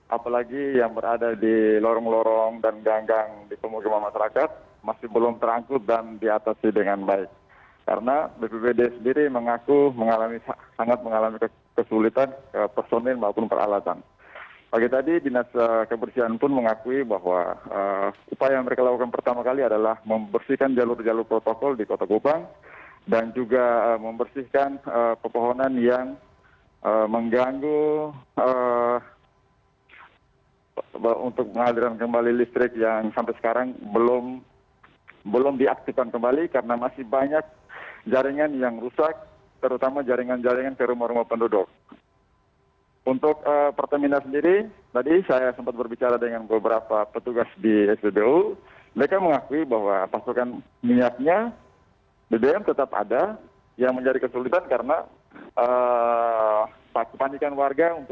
apalagi yang berada di lorong lorong dan ganggang di pemudimah masyarakat